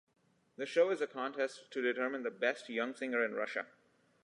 The show is a contest to determine the best young singer in Russia.